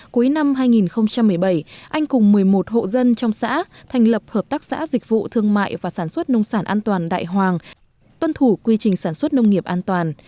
cuối năm hai nghìn một mươi bảy anh cùng một mươi một hộ dân trong xã thành lập hợp tác xã dịch vụ thương mại và sản xuất nông sản an toàn đại hoàng tuân thủ quy trình sản xuất nông nghiệp an toàn